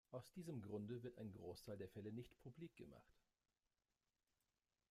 Aus diesem Grunde wird ein Großteil der Fälle nicht publik gemacht.